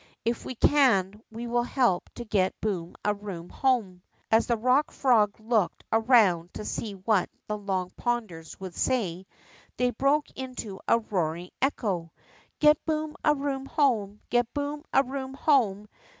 If we can, we will help to get Boom a Room home." As the Bock Frog looked around to see what the Long Ponders would say, they broke into a roaring echo : Get Boom a Room home ! Get Boom a Room home